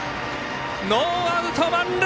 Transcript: ノーアウト、満塁！